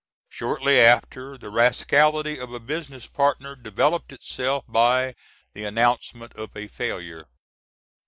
Shortly after, the rascality of a business partner developed itself by the announcement of a failure.